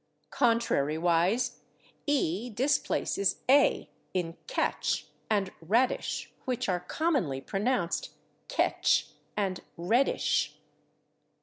Contrariwise, /e/ displaces /a/ in /catch/ and /radish/, which are commonly pronounced /ketch/ and /reddish